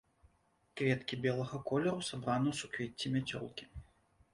Кветкі белага колеру сабраны ў суквецці-мяцёлкі.